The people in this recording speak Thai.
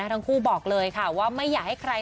ทั้งคู่บอกเลยค่ะว่าไม่อยากให้ใคร